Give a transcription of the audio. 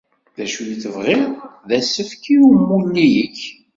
D acu tebɣiḍ d asefk i umulli-k?